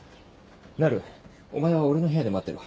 なるお前は俺の部屋で待ってろ。